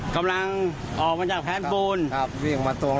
กำลังออกมาจากแพลนปูนครับวิ่งมาตรง